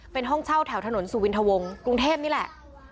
เป็นห้องเช่าแถวถนนสุวินทวงกรุงเทพนี่แหละ